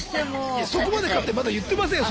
いやそこまでだってまだ言ってませんよ